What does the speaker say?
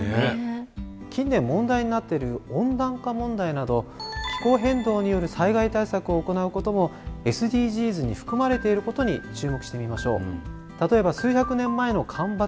近年問題になってる温暖化問題など気候変動による災害対策を行うこともＳＤＧｓに含まれていることに注目してみましょう。